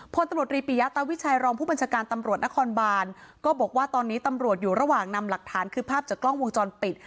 พลตำรวจรีปิยะตาวิชัยรองผู้บัญชาการตำรวจนครบานก็บอกว่าตอนนี้ตำรวจอยู่ระหว่างนำหลักฐานคือภาพจากกล้องวงจรปิด